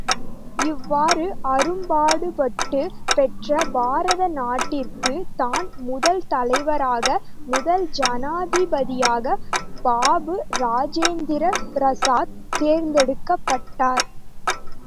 இவ்வாறு அரும்பாடுபட்டுப் பெற்ற பாரத நாட்டிற்குத் தான் முதல் தலைவராக, முதல் ஜனாதிபதியாக பாபு இராஜேந்திர பிரசாத் தேர்ந்தெடுக்கப்பட்டார்.